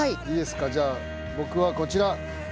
いいですかじゃあ僕はこちら。